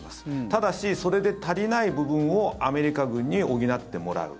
ただし、それで足りない部分をアメリカ軍に補ってもらう。